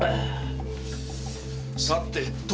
さてと。